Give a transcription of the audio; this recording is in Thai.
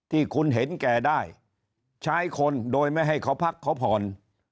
ที่คุณเห็นแก่ได้ใช้คนโดยไม่ให้เขาพักเขาผ่อน